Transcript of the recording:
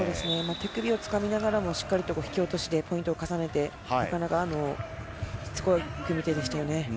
手首をつかみながらも引き落としでポイントを重ねてしつこい組み手でしたね。